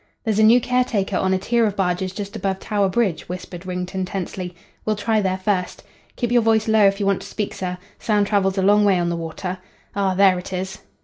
"There's a new caretaker on a tier of barges just above Tower Bridge," whispered Wrington tensely. "We'll try there first. Keep your voice low if you want to speak, sir. Sound travels a long way on the water. Ah, there it is."